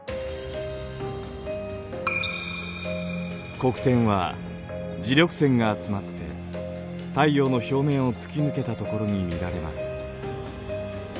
黒点は磁力線が集まって太陽の表面を突き抜けたところに見られます。